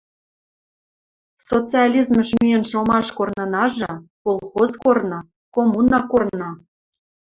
Социализмӹш миэн шомаш корнынажы – колхоз корны, коммуна корны.